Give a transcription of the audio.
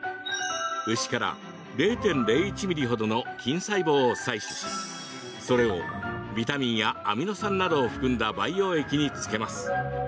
牛から０．０１ミリほどの筋細胞を採取しそれをビタミンやアミノ酸などを含んだ培養液につけます。